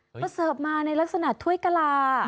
เขาเสิร์ฟมาในลักษณะถ้วยกะลา